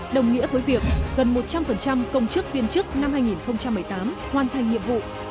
đồng nghĩa với việc gần một trăm linh công chức viên chức năm hai nghìn một mươi tám hoàn thành nhiệm vụ